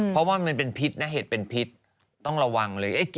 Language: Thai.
เพราะว่ามันเป็นพิษนะเห็ดเป็นพิษต้องระวังเลย